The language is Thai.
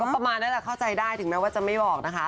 ประมาณนั้นแหละเข้าใจได้ถึงแม้ว่าจะไม่บอกนะคะ